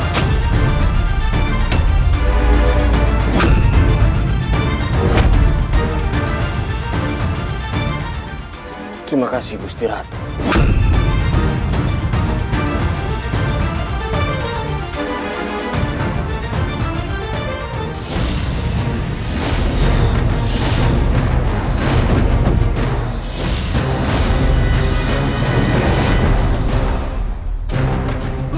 terima kasih gusti ratu